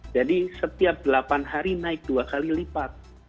jadi setiap delapan hari naik dua kali lipat